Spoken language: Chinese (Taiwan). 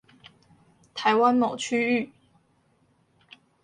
台灣某區域